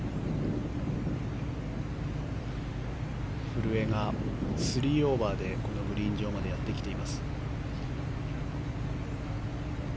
古江が３オーバーでグリーン上までやってきています。